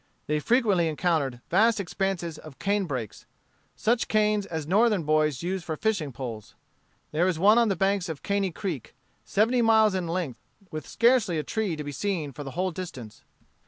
They frequently encountered vast expanses of canebrakes; such canes as Northern boys use for fishing poles. There is one on the banks of Caney Creek, seventy miles in length, with scarcely a tree to be seen for the whole distance.